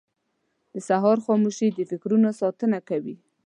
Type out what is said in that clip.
• د سهار خاموشي د فکرونو ساتنه کوي.